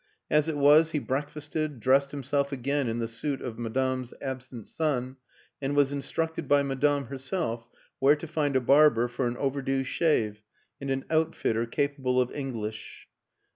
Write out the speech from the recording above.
As it was, he break fasted, dressed himself again in the suit of Madame's absent son, and was instructed by Madame herself where to find a barber for an overdue shave and an outfitter capable of Eng lish.